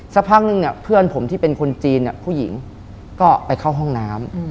สักพักนึงเนี่ยเพื่อนผมที่เป็นคนจีนผู้หญิงก็ไปเข้าห้องน้ำ